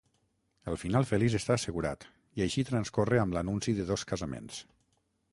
El final feliç està assegurat, i així transcorre amb l'anunci de dos casaments.